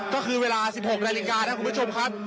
ก็คือเวลา๑๖นาฬิกานะคุณผู้ชมครับ